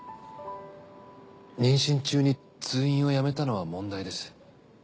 妊娠中に通院をやめたのは問題です。